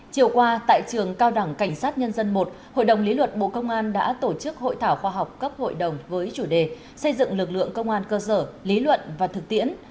chiều qua tại trường cao đẳng cảnh sát nhân dân một hội đồng lý luận bộ công an đã tổ chức hội thảo khoa học cấp hội đồng với chủ đề xây dựng lực lượng công an cơ sở lý luận và thực tiễn